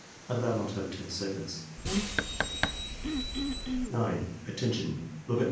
(Allow not over 10 seconds.) 9. "Attention! Look at 9.